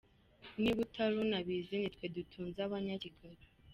Niba utari unabizi ni twe dutunze Abanyakigali.